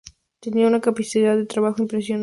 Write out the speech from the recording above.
Tenía una capacidad de trabajo impresionante.